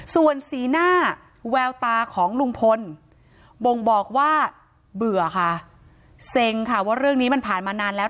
ส่วนสีหน้าแววตาของลุงพลบ่งบอกว่าเบื่อค่ะเซ็งค่ะว่าเรื่องนี้มันผ่านมานานแล้ว